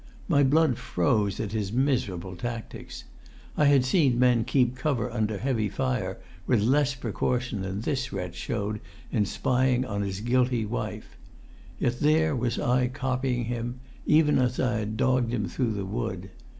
My blood froze at his miserable tactics. I had seen men keep cover under heavy fire with less precaution than this wretch showed in spying on his guilty wife; yet there was I copying him, even as I had dogged him through the wood.